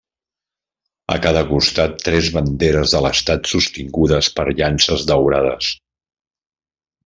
A cada costat tres banderes de l'estat sostingudes per llances daurades.